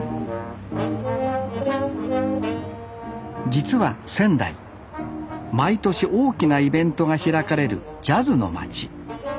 実は仙台毎年大きなイベントが開かれるジャズの街。